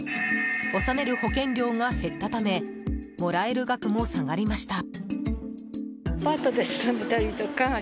納める保険料が減ったためもらえる額も下がりました。